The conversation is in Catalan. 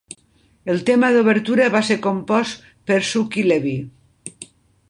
El tema d'obertura va ser compost per Shuki Levy.